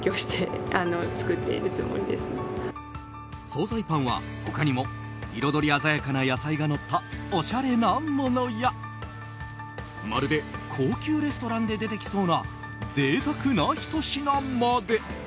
総菜パンは他にも彩り鮮やかな野菜がのったおしゃれなものやまるで高級レストランで出てきそうな贅沢なひと品まで。